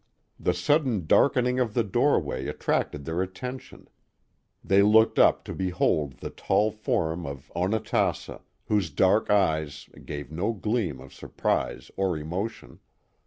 The sudden darkening of the doorway attracting their attention, they looked up to behold the tall form of Onatassa, whose dark eyes gave no gleam of surprise or emotion.